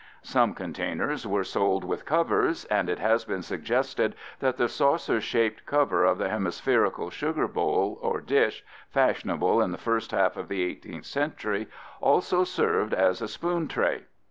Some containers were sold with covers, and it has been suggested that the saucer shaped cover of the hemispherical sugar dish or bowl, fashionable in the first half of the 18th century, also served as a spoon tray.